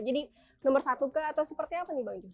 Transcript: jadi nomor satu ke atau seperti apa